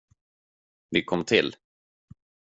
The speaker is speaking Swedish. Vi kom till.